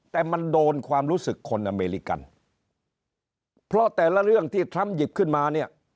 แต่มันโดนความรู้สึกคนอเมริกันเพราะแต่ละเรื่องที่ทรัมป์หยิบขึ้นมาเนี่ย